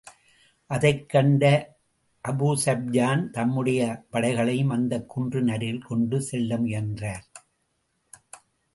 அதைக் கண்ட அபூஸூப்யான் தம்முடைய படைகளையும், அந்தக் குன்றின் அருகில் கொண்டு செல்ல முயன்றார்.